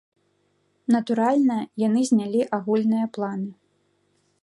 Натуральна, яны знялі агульныя планы.